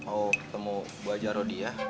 oh ketemu bu haji rodia